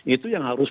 itu yang harus